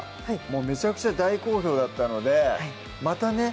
もうめちゃくちゃ大好評だったのでまたね